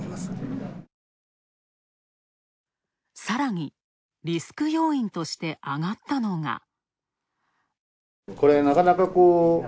さらに、リスク要因としてあがったのが。